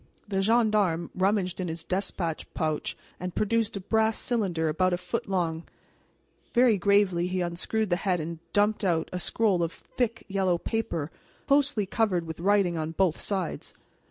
The gendarme rummaged in his despatch pouch and produced a brass cylinder about a foot long. Very gravely he unscrewed the head and dumped out a scroll of thick yellow paper closely covered with writing on both sides.